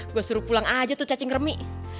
gue suruh pulang aja tuh cacing remi